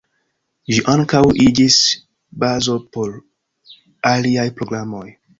Ĝi ankaŭ iĝis bazo por aliaj programoj.